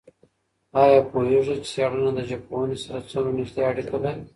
آیا پوهيږئ چي څېړنه له ژبپوهني سره څومره نژدې اړیکه لري؟